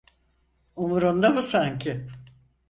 Umurunda mı sanki?